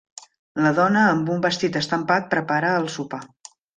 La dona amb un vestit estampat prepara el sopar.